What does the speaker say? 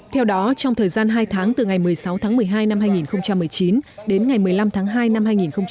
theo đó trong thời gian hai tháng từ ngày một mươi sáu tháng một mươi hai năm hai nghìn một mươi chín đến ngày một mươi năm tháng hai năm hai nghìn hai mươi